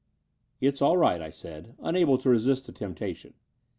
It's all right," I said, unable to resist the temptation.